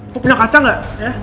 lo punya kaca gak